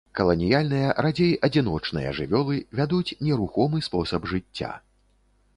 Каланіяльныя, радзей адзіночныя жывёлы, вядуць нерухомы спосаб жыцця.